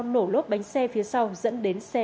nổ lốp bánh xe phía sau dẫn đến xe